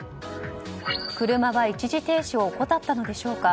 車が一時停止を怠ったのでしょうか。